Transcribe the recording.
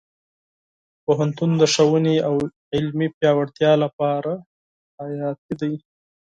پوهنتون د ښوونې او علمي پیاوړتیا لپاره حیاتي دی.